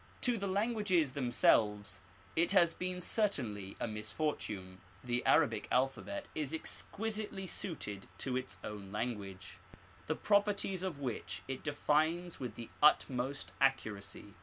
To the languages themselves it has been certainly a misfortune. The Arabic alphabet is exquisitely suited to its own language, the properties of which it defines with the utmost accuracy.